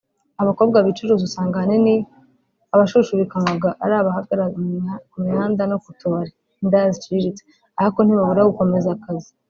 Abakobwa bicuruza usanga ahanini abashushubikanywaga ari abahagararara ku mihanda no ku tubari [indaya ziciriritse] ariko ntibabura gukomeza akazi